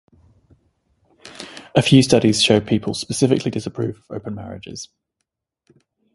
A few studies show people specifically disapprove of open marriages.